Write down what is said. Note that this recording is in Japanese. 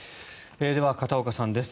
では、片岡さんです。